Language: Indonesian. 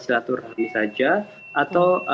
silaturahmi saja atau